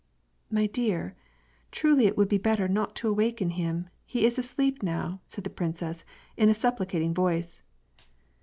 " My dear, truly it would be better not to awaken him ; he is asleep now," said the princess in a supplicating voice.